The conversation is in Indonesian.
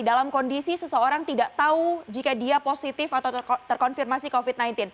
dalam kondisi seseorang tidak tahu jika dia positif atau terkonfirmasi covid sembilan belas